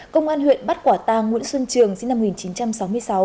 công an huyện bát quả tàng nguyễn xuân trường sinh năm một nghìn chín trăm sáu mươi sáu